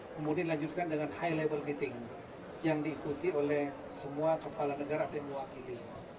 kemudian dilanjutkan dengan high label meeting yang diikuti oleh semua kepala negara yang mewakili